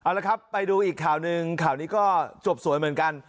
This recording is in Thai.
เอาละครับไปดูอีกข่าวหนึ่งข่าวนี้ก็จบสวยเหมือนกัน